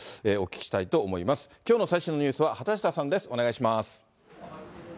きょうの最新のニュースは畑下さんです、お願いします。